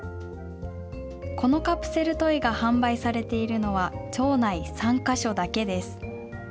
このカプセルトイが販売されているのは、町内３か所だけです。